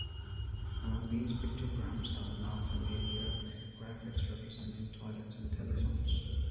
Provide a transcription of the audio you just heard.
Among these pictograms are the now-familiar graphics representing toilets and telephones.